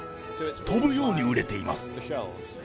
飛ぶように売れています。